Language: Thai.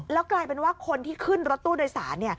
แล้วกลายเป็นว่าคนที่ขึ้นรถตู้โดยสาร